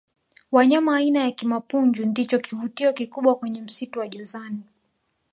wanyama aina ya kimapunju ndicho kivutio kikubwa kwenye msitu wa jozani